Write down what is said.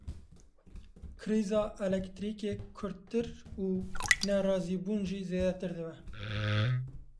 Krîza elektrîkê kûrtir û nerazîbûn jî zêdetir dibe.